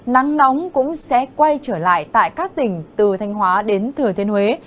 nắng nóng cũng sẽ quay trở lại tại các tỉnh từ thanh hóa đến thừa thiên huế